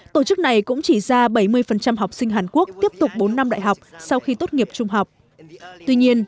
thật ra bảy mươi học sinh hàn quốc tiếp tục bốn năm đại học sau khi tốt nghiệp trung học tuy nhiên